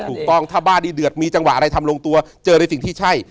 ถูกต้องถ้าบ้านนี้เดือดมีจังหวะอะไรทำลงตัวเจอในสิ่งที่ใช่